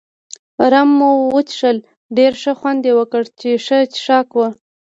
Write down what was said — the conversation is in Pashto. رم مو وڅښل، ډېر ښه خوند يې وکړ، چې ښه څښاک وو.